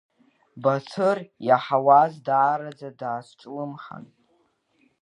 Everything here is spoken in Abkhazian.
Баҭыр иаҳауаз даараӡа дазҿлымҳан.